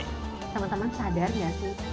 teman teman sadar nggak sih